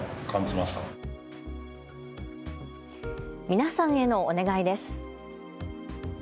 皆さんへのお願いです。